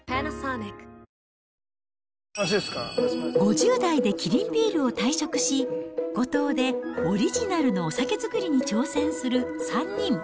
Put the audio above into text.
５０代でキリンビールを退職し、五島でオリジナルのお酒造りに挑戦する３人。